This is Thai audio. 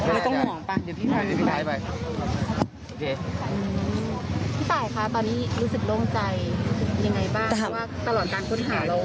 ทีมงานนี้รู้สึกลงใจ